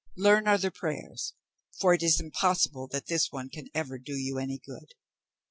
Learn other prayers, for it is impossible that this one can ever do you any good."